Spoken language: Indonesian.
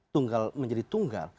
tunggal menjadi tunggal